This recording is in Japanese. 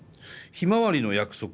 「ひまわりの約束」。